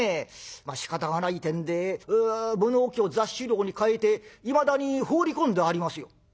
しかたがないてんで物置を座敷牢に替えていまだに放り込んでありますよ」。